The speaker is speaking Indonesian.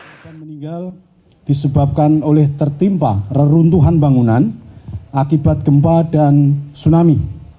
tim ini akan meninggal disebabkan oleh tertimpa reruntuhan bangunan akibat gempa dan tsunami